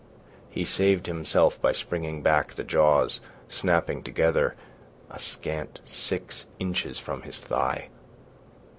He saved himself by springing back, the jaws snapping together a scant six inches from his thigh.